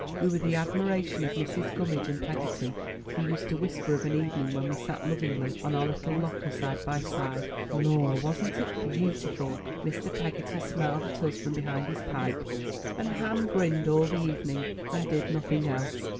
We were the admiration of Mrs. Gummidge and Peggotty, who used to whisper of an evening when we sat, lovingly, on. our little locker side by side, "Lor! wasn't it beautiful!'' Mr. Peggotty smiled at us from behind his pipe, and Ham grinned all the evening and did nothing else.